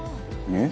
「えっ？」